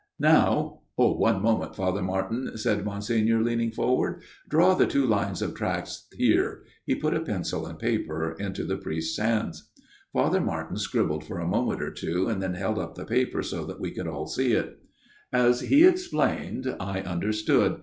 Now "" One moment, Father Martin," said Monsignor leaning forward ;" draw the two lines of tracks here." He put a pencil and paper into the priest's hands. Father Martin scribbled for a moment or two FATHER MARTIN'S TALE 183 and then held up the paper so that we could all see it. As he explained I understood.